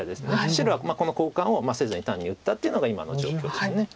白はこの交換をせずに単に打ったっていうのが今の状況です。